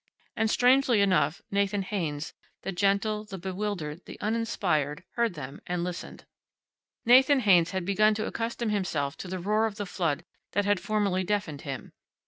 And strangely enough, Nathan Haynes, the gentle, the bewildered, the uninspired, heard them, and listened. Nathan Haynes had begun to accustom himself to the roar of the flood that had formerly deafened him.